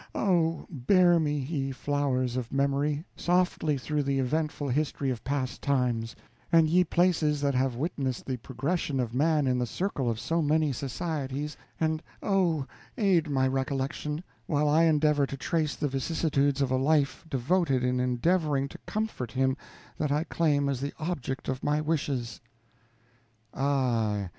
Oh, bear me, ye flowers of memory, softly through the eventful history of past times; and ye places that have witnessed the progression of man in the circle of so many societies, and, of, aid my recollection, while I endeavor to trace the vicissitudes of a life devoted in endeavoring to comfort him that I claim as the object of my wishes. Ah!